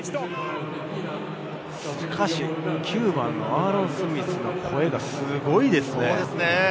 ９番のアーロン・スミスの声がすごいですね。